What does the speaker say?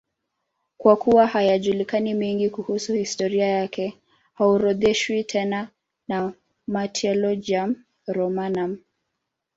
Kwa kuwa hayajulikani mengine mengi kuhusu historia yake, haorodheshwi tena na Martyrologium Romanum.